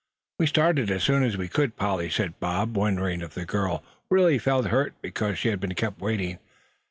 "We started as soon as we could, Polly," said Bob, wondering if the girl really felt hurt because she had been kept waiting.